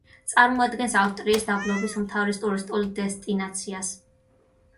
წარმოადგენს ავსტრიის დაბლობის უმთავრეს ტურისტულ დესტინაციას.